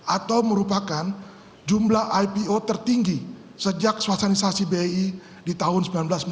atau merupakan jumlah ipo tertinggi sejak sosialisasi bi di tahun seribu sembilan ratus sembilan puluh